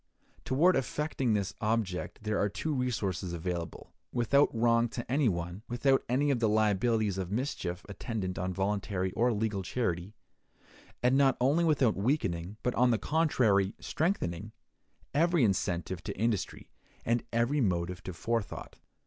Toward effecting this object there are two resources available, without wrong to any one, without any of the liabilities of mischief attendant on voluntary or legal charity, and not only without weakening, but on the contrary strengthening, every incentive to industry, and every motive to forethought.